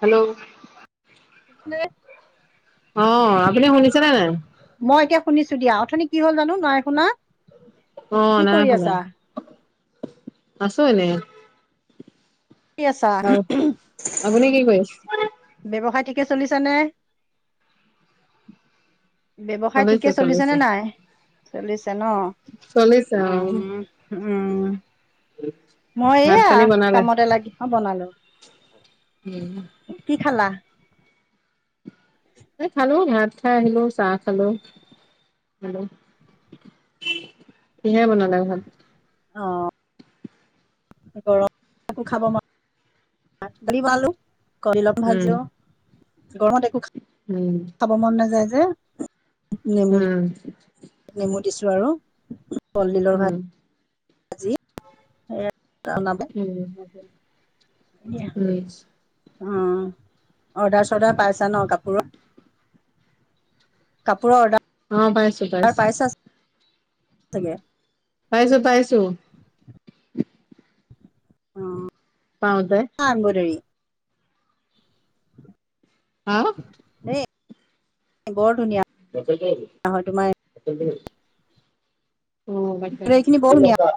Hello? [unintelligible] অ' আপুনি শুনিছেনে নাই? মই এতিয়া শুনিছো দিয়া, অথনি কি হ'ল জানো নাই শুনা। কি অ' নাই কৰি শুনা, আছা আছো এনেই। হি আছা? আৰু আপুনি কি কৰি আছে? ব্যৱসায় ঠিকে চলিছে নে? ব্যৱসায় ঠিকে চলিছে নে? নাই চলিছে ন। চলিছে অ উম, উম, উম। মই ভাত এয়া পানী বনালে কামতে লাগি অ' বনালো। উম। কি খালা? এ, খালো ভাত খাই আহিলো, চাহ খালো। কিহেৰে বনালে ভাত? অ'। গৰমত একো খাব মন ভালো কণী উম ভাজি, গৰমত একো খাব উম। খাব মন নাযায় যে। নেমু উম। নেমু দিছোঁ আৰু, কলডিলৰ ভাত উম আজি এ, জনালে [unintelligible] উম উম, অৰ্ডাৰ চৰ্ডাৰ পাইছা ন' কাপোৰত? কাপোৰৰ অ পাইছো অৰ্ডাৰ পাইছো পাইছা চাগে। পাইছোঁ পাইছোঁ। অ'। পাওঁ দে। হাৰ্মদাৰি। হা? হে বৰ ধুনীয়া। হয় তোমাৰ এম্ব্ৰইডাৰী খিনি [unintelligible] বৰ হেল্ল, ধুনীয়া কা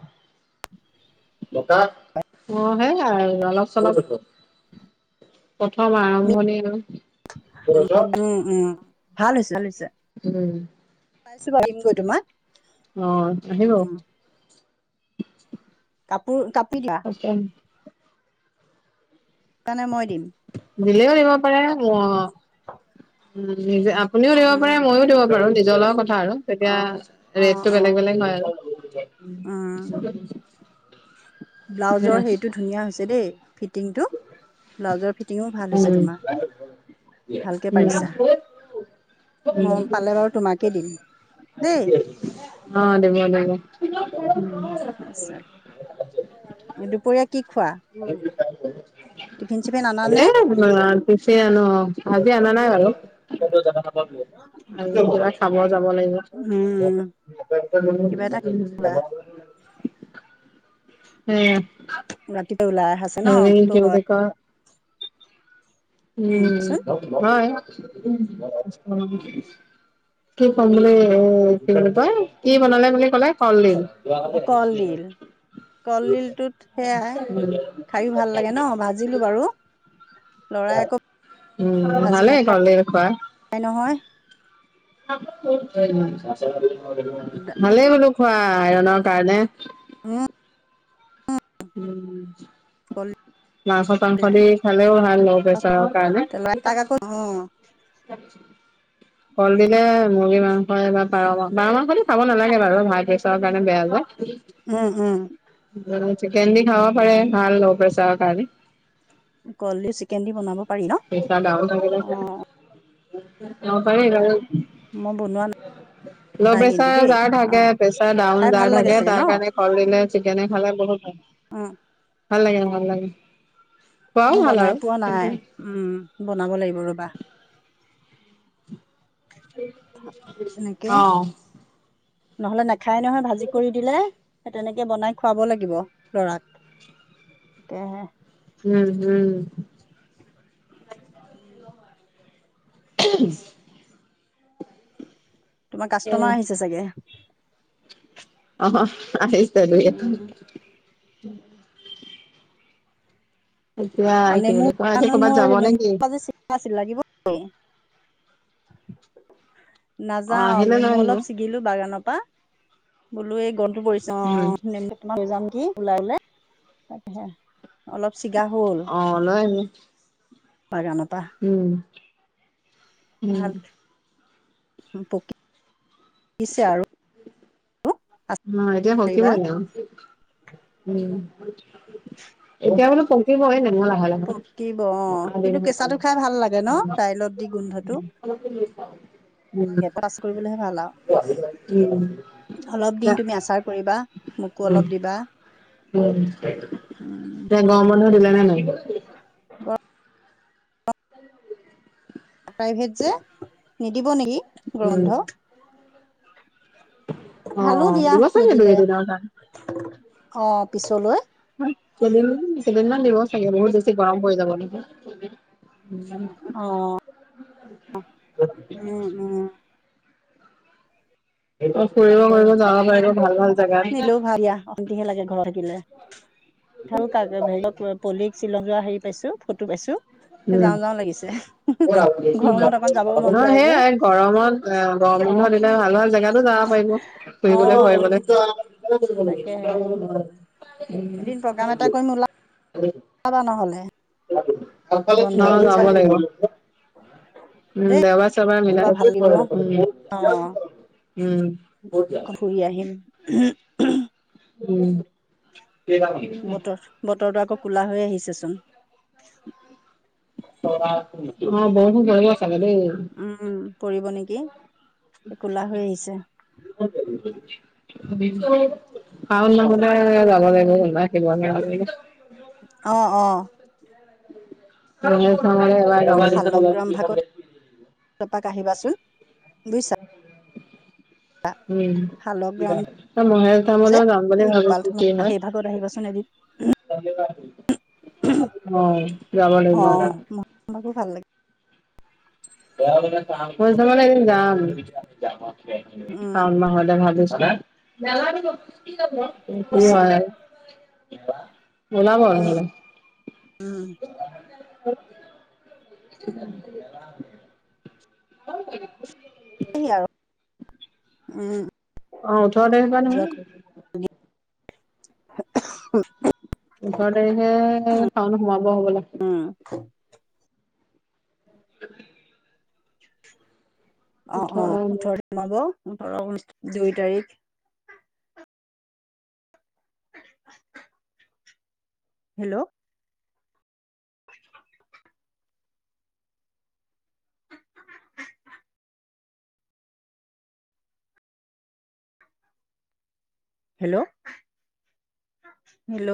ডেকা, অ' হেয়া অলপ চলপ, ক'ত আছে? প্ৰথম আৰম্ভণি আৰু। উম, উম, ভাল হৈছে, ভাল হৈছে। উম পাইছোঁ ভাবিম গৈ তোমাক। অ আহিব কাপোৰ কাপি দিয়া। অকেন। হেইকাৰণে মই দিম। দিলেও দিব পাৰে, অ'। উ, নিজে আপুনিও দিব উম পাৰে মইও দিব পাৰোঁ, নিজৰ লগত কথা আৰু তেতিয়া অ অ ৰেটটো অ বেলেগ বেলেগ হয় উম আৰু। ব্লাউজৰ হেইৰিটো ধুনীয়া হৈছে দেই। ফিটিংটো, ব্লাউজৰ ফিটিঙো ভাল হৈছে তোমাৰ। ভালকে পাৰিছা হুম। মই পালে বাৰু তোমাকে দিম দেই। অ' দিব দিব। [unintelligible] তাছত দুপৰীয়া কি খোৱা? টিফিন চিফিন আনানে? টিফি আনো অ'। আজি অনা নাই বাৰু। কিবা খাব যাব লাগিব। উম কিবা এটা [unintelligible] উম। ৰাতিটো ওলাই আহা আৰু কি বুলি ক উম, হয়। কি কম বুলি এ, কি বুলি কই, কি বনালে বুলি কলে, কলডিল। কলডিল [unintelligible] কলডিলটোত সেয়াই খায়ো ভাল লাগে ন ভাজিলো বাৰু [inaudible] লৰাই আকৌ উম্, ভালেই গ'লে খোৱা। তাই নহয়। [inaudible] এটা, ভালেই বোলো খোৱা, আইৰনৰ কাৰণে। উম উম্, মাংস চাংস কলডিলটো দি খালেও ভাল। লো খোৱা পেছাৰৰ কাৰণে। লৰা তাক আকৌ উম কল দিলে। মুৰ্গী মাংস বা পাৰ মাংসয়ে, পাৰ মাংসটো খাব নালাগে বাৰু হাইপেছাৰৰ কাৰণে বেয়া যে। উম্ উম্। চিকেন দি খাব পাৰে। ভাল লো পেছাৰৰ কাৰণে কলদিল চিকেন দি বনাব পাৰি ন। পইচা ডাউন হৈ অ গৈছে, পাৰি। উ মই বনোৱা ল' নাই কিন্তু প্ৰেচাৰ দেই যাৰ অ থাকে, প্ৰেচাৰ ডাউন খাই ভাল যাৰ লাগে থাকে। চাগে তাৰ কাৰণে কল দিলে চিকেনে খালে বহুত ভাল। অ', ভাল লাগে ভাল লাগে। খোৱাও মই ভাল বনাই আৰু পোৱা নাই। উম্, বনাব লাগিব ৰ'বা। তেনেকে অ', নহ'লে নাখায় নহয়। ভাজি কৰি দিলে। তেনেকে বনাই খুৱাব লাগিব লৰাক। সেয়েহে - উম্, হম্। উ তোমাৰ উম কাষ্টমাৰ আহিছে চাগে। অ', আহিছে। এতিয়া অ', কি নেমু, বুলি কয় এতিয়া কৰ'বাত যাব মোৰ নে নেমু। কি? আছিলে লাগিব নেকি? অ নাযাও, আহিলে লৈ নেমু আহিব অলপ ছিগিলোঁ, বাগানৰ পৰা। বোলো এই গোন্ধটো পৰিছে। অ উম্, নেমু তোমাক লৈ যাম কি ওলালে, অলপ চিগা হ'ল। অ', লৈ আহিবি। বাগানৰ পৰা। উম্, উম্। পকি। পকিছে আৰু। অ', এতিয়া পকিব আচাৰিবা আৰু। উম্, এতিয়া বোলো পকিবই ন। পকিব অ', কিন্তু কেঁচাটো খাই ভাল লাগে ন। দাইলত দি গোন্ধটো। উম লাগে পটাছ কৰিবলৈহে ভাল আৰু। উম অলপ দিম তুমি আচাৰ কৰিবা। মোকো অলপ উম্, দিবা এ গৰম বন্ধ দিলনে নাই। ব প্ৰাইভেট যে, নিদিব নেকি গৰম উম বন্ধ। অ ভালো দিয়া দিব চাগে দুই নিদিলে। এদিনৰ কাৰণে অ', পিছলৈ। কেইদিনমান দিব চাগে। বহুত বেছি গৰম হৈ যাব লাগে। উম্। অ উম উম কৰিব কৰিব, যাওঁ যাওঁ মাৰিব। নিদিলেও ভাল দিয়া, অশান্তিহে লাগে ঘৰত থাকিলে। হেৰি পলিক শ্বিলংজোৱা হেৰি পাইছোঁ, ফটো পাইছোঁ। উম্, সেইয়াই অকণ যাবও মন গৰমত। যায় যে এ গৰম বন্ধৰ অ দিলে ভাল, ভাল জেগাতো যাব পাৰিব অ ফুৰিবলৈ, তাকেহে ফুৰিবলৈ। [unintelligible] [unintelligible] যাবা নহ'লে ক কলে ন বন্ধৰ দিন আ চাই নাই [unintelligible] উম দেই দেওবাৰ চেওবাৰ ওলাবা মিলাই ভাল লাগিব উম, উম আকৌ ঘুৰি আহিম। উম, [unintelligible] বতৰ বতৰটো আকৌ ক'লা হৈ আহিছেচোন। অ', বৰষুণ পৰিব চাগে দে। উম, উম পৰিব নেকি কোলা হৈ আহিছে। অ [unintelligible] শাওণ মাহলে'লে যাব লাগিব স [unintelligible] অ', অ'। অ এই শালগ্ৰাম ভাগত [unintelligible] এপাক আহিবাচোন বুজিছা। [inaudible] ত [unintelligible] উম মহেশ যে ধামলৈও যাম বুলি এই গোপাল ভাবিছো থানত কি হয়। সেই ভাগত আহিবাচোন এদিন অ', যাবা লাগিব। আমাক ভাল লাগে। মই তাৰ মানে এদিন যাম। উম শাওন মাহলে ভাবিছোঁ। কি গৈছিলোঁ হয় ওলাব উম হলে। উম। [inaudible] ক [inaudible] এই আৰু উম। অ', ওঠৰ তাৰিখ মান যোৱা [unintelligible] ওঠৰ তাৰিখে শাওন সোমাব হ'বলা। [unintelligible] [inaudible] অ', অ', ওঠৰ তাৰিখ সোমাব ওঠৰ দুই তাৰিখ হেল্ল'। [inaudible] [inaudible] Hello hello.